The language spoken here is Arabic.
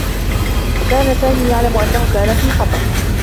كان سامي يعلم أنّه كان في خطر.